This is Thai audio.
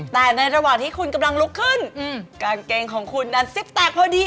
แต่ในระหว่างที่คุณกำลังลุกขึ้นกางเกงของคุณนั้นซิบแตกพอดี